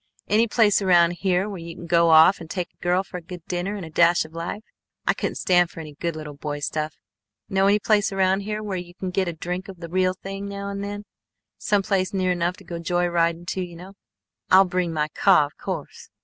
Any place around here where you can go off and take a girl for a good dinner and a dash of life? I couldn't stand for any good little boy stuff. Know any place around here where you can get a drink of the real thing now and then, some place near enough to go joy riding to, you know? I shall bring my cah of course